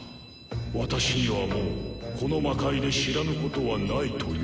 私にはもうこの魔界で知らぬことはないというのか。